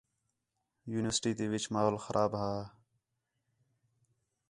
یونیورسٹی تی وِچ ماحول خراب ہا